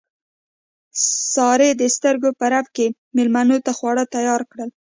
سارې د سترګو په رپ کې مېلمنو ته خواړه تیار کړل.